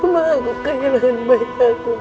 ma aku kehilangan baik aku